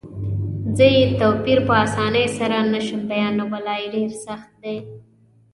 زه یې توپیر په اسانۍ سره نه شم بیانولای، ډېر سخت دی.